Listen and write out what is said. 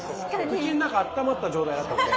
口の中あったまった状態だったので。